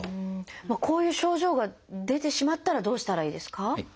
こういう症状が出てしまったらどうしたらいいですか？